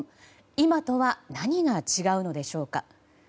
今とは何が違うのでしょうか。